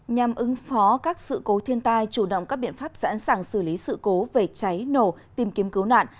nhằm ứng phó các sự cố thiên tai chủ động các biện pháp sẵn sàng xử lý sự cố về cháy nổ tìm kiếm cứu nạn